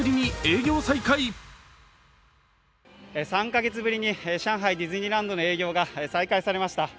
３カ月ぶりに上海ディズニーランドの営業が再開されました。